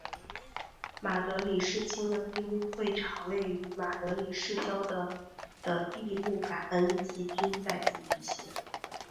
马德里世青的闭幕会场位于马德里市郊的的闭幕感恩祭均在此举行。